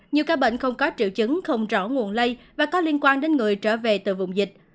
nhiều ca bệnh không có triệu chứng không rõ nguồn lây và có liên quan đến người trở về từ vùng dịch